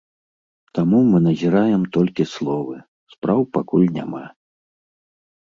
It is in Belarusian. Таму мы назіраем толькі словы, спраў пакуль няма.